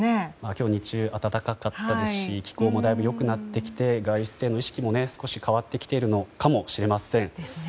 今日、日中暖かかったですし気候もだいぶ良くなってきて外出への意識も少し変わってきているのかもしれません。